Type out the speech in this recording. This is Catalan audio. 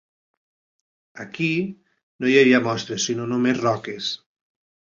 Aquí, no hi havia monstres sinó només roques.